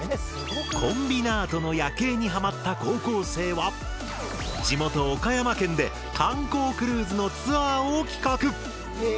コンビナートの夜景にハマった高校生は地元岡山県で観光クルーズのツアーを企画。